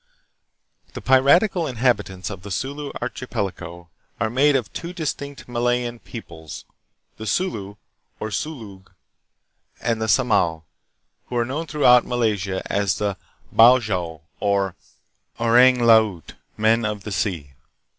The piratical in habitants of the Sulu archipelago are made of two dis tinct Malayan peoples the Sulu (or Sulug), and the Samal, who are known throughout Malaysia as the " Bajau" or "Orang laut" (Men of the Sea).